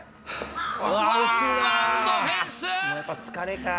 ワンバウンドフェンス。